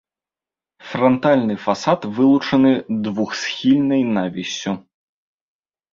Франтальны фасад вылучаны двухсхільнай навіссю.